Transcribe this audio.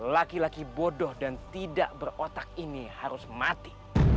laki laki bodoh dan tidak berotak ini harus mati